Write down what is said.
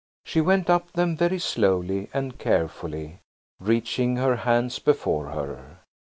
She went up them very slowly and carefully, reaching her hands before her.